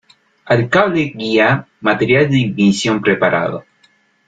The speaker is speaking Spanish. Al cable guía. Material de ignición preparado .